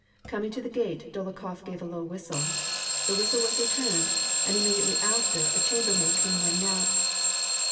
Coming to the gate, Dolokhof gave a low whistle. The whis tle was returned, and immediately after a chambermaid came running out.